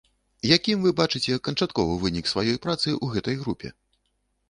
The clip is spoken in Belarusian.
Якім вы бачыце канчатковы вынік сваёй працы ў гэтай групе?